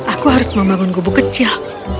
aku harus membangun gubu kecil